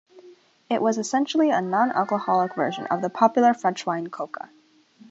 It was essentially a non-alcoholic version of the popular French wine coca.